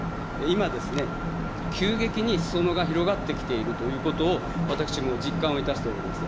今、急激にすそ野が広がってきているということを、私も実感を致しております。